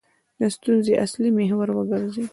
د ستونزې اصلي محور وګرځېد.